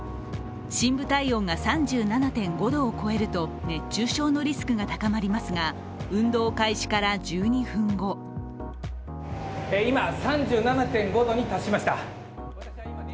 深部体温が３７．５度を超えると熱中症のリスクが高まりますが運動開始から１２分後今、３７．５度に達しました。